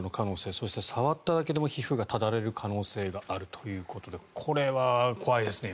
そして、触っただけでも皮膚がただれる可能性があるということでこれは怖いですね。